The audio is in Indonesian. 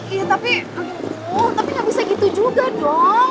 iya tapi aduh tapi gak bisa gitu juga dong